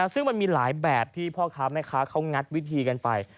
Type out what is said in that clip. ซึ่งมันมีหลายแบบที่พ่อค้าแม่ค้าเขางัดวิธีกันไป